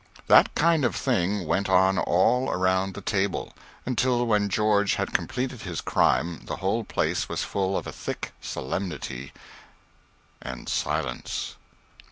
That kind of thing went on all around the table, until when George had completed his crime the whole place was full of a thick solemnity and silence.